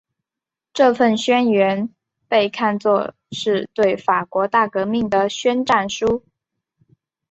这份宣言被看作是对法国大革命的宣战书。